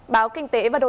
báo kinh tế và đồ tư